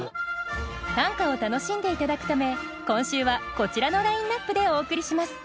短歌を楽しんで頂くため今週はこちらのラインアップでお送りします。